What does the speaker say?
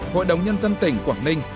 hội đồng nhân dân tỉnh quảng ninh